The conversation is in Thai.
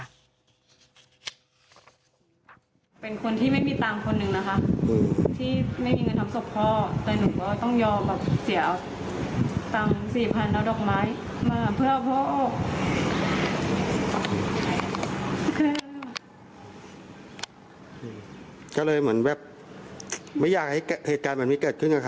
เทียดก็กลัวคนอื่นจะเจอแบบนี้